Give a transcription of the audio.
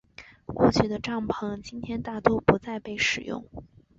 过去的帐篷今天大多不再被使用。